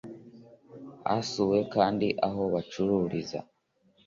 Hasuwe kandi aho bacururiza